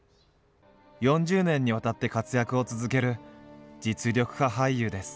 ４０年にわたって活躍を続ける実力派俳優です。